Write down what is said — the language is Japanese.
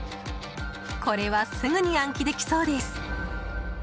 これはすぐに暗記できそうです。